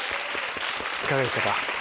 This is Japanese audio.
いかがでしたか？